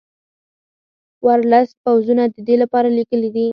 ورلسټ پوځونه د دې لپاره لېږلي دي.